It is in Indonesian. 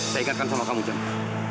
saya ingatkan sama kamu jemaah